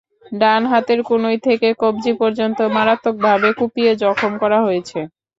ডান হাতের কনুই থেকে কবজি পর্যন্ত মারাত্মকভাবে কুপিয়ে জখম করা হয়েছে।